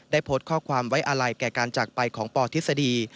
โพสต์ข้อความไว้อาลัยแก่การจากไปของปทฤษฎี